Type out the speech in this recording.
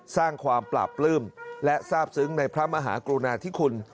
สร้างความปราบปลื้มและทราบซึ้งในพระมหากรุณาธิคุณ